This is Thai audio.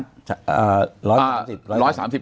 คือแบบ